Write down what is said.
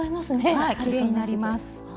はいきれいになります。